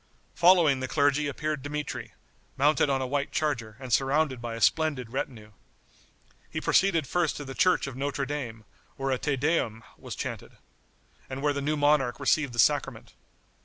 Following the clergy appeared Dmitri, mounted on a white charger, and surrounded by a splendid retinue. He proceeded first to the church of Notre Dame, where a Te Deum was chanted, and where the new monarch received the sacrament.